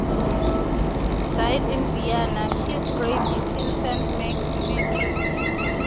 Albrechtsberger died in Vienna; his grave is in Saint Marx cemetery.